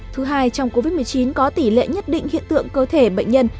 thứ hai trong covid một mươi chín có tỷ lệ nhất định hiện tượng cơ thể bệnh nhân